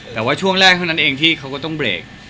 แต่ว่าช่วงแรกเท่านั้นเองที่เขาก็ต้องเบรก